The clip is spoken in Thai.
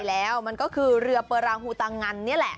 แล้วมันก็คือเรือเปอรางฮูตังันนี่แหละ